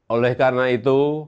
oleh karena itu